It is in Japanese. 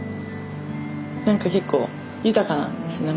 何か結構豊かなんですよ何か。